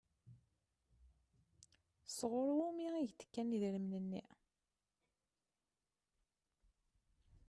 Sɣur wumi i k-d-kan idrimen-nni?